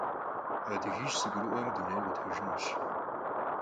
Adıgiş zegurı'ueme dunêyr khutejjınuş.